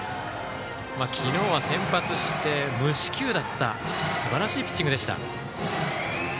昨日は先発して、無四球だったすばらしいピッチングでした。